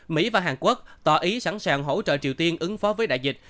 mỹ và hàn quốc tỏ ý sẵn sàng hỗ trợ triều tiên ứng phó với đại dịch